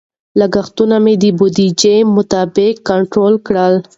لګښتونه مې د بودیجې مطابق کنټرول کړل.